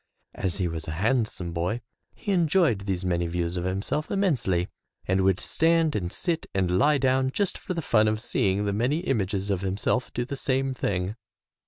As he was a handsome boy he enjoyed these many views of himself immensely, and would stand and sit and lie down just for the fun of seeing the many images of himself do the same thing.